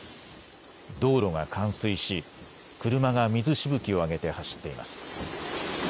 道路が冠水し車が水しぶきを上げて走っています。